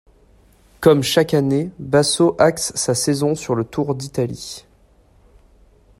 Comme chaque année, Basso axe sa saison sur le Tour d'Italie.